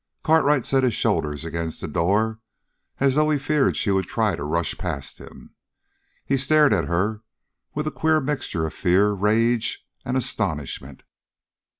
Cartwright set his shoulders against the door, as though he feared she would try to rush past him. He stared at her, with a queer admixture of fear, rage, and astonishment.